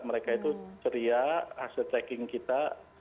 mereka itu ceria hasil checking kita